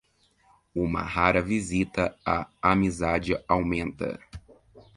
Uma rara visita à amizade aumenta.